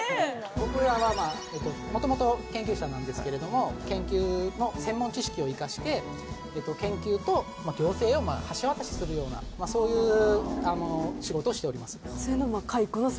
僕は元々研究者なんですけれども研究の専門知識を生かして研究と行政を橋渡しするようなそういう仕事をしております。